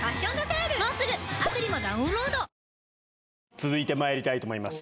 続いてまいりたいと思います